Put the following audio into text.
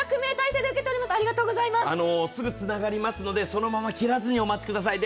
すぐつながりますのでそのまま切らずにお待ちくださいね。